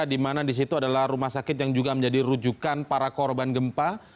di mana di situ adalah rumah sakit yang juga menjadi rujukan para korban gempa